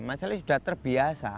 masalahnya sudah terbiasa